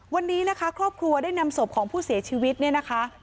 วันนี้นะคะครอบครัวได้นำศพของผู้เสียชีวิตเนี่ยนะคะ